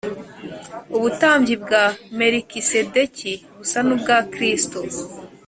Ubutambyi bwa Melikisedeki busa n, ubwa Kristo